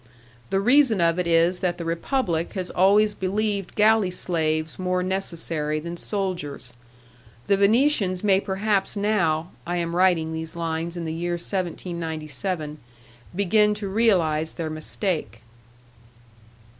The reason of it is that the Republic has always believed galley slaves more necessary than soldiers. The Venetians may perhaps now (I am writing these lines in the year 1797) begin to realize their mistake.